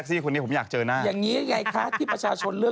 ก็คงต้องจ่ายอ่ะเขาจ่ายตามิสเตอร์อยู่แล้ว